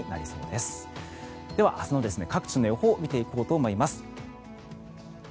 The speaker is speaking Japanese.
では、明日の各地の予報を見ていこうと思います。